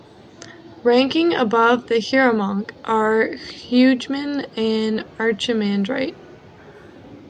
Ranking above a hieromonk are a hegumen and an archimandrite.